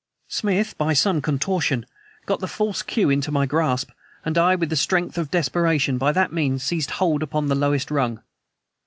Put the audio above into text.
Smith, by some contortion, got the false queue into my grasp, and I, with the strength of desperation, by that means seized hold upon the lowest rung.